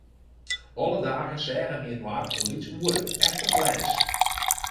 Alle dagen seagen wy inoar in lyts oere, efter glês.